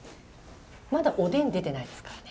まだおでん出てないですからね。